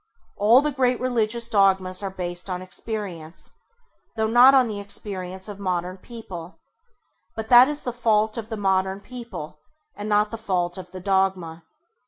All the great religious dogmas are based on experience, though not on the experience of modern people; but that is the fault of modern people and not the fault of the dogma.